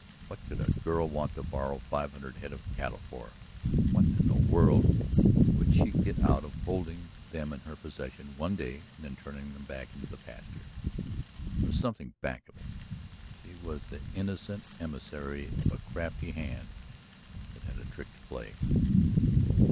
What could a girl want to borrow five hundred head of cattle for? What in the world would she get out of holding them in her possession one day and then turning them back into the pasture? There was something back of it; she was the innocent emissary of a crafty hand that had a trick to play.